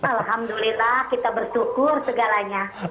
alhamdulillah kita bersyukur segalanya